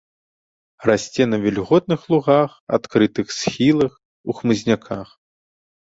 Расце на вільготных лугах, адкрытых схілах, у хмызняках.